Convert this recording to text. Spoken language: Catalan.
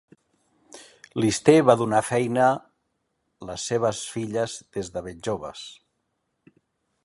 Lister va donar feina les seves filles des de ben joves.